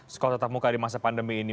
sekolah tetap muka di masa pandemi ini